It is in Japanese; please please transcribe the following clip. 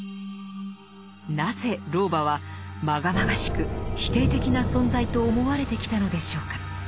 なぜ老婆は禍々しく否定的な存在と思われてきたのでしょうか。